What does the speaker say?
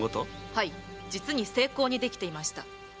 はい実に精巧にできていました。